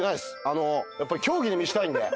あのやっぱり競技で見せたいんで。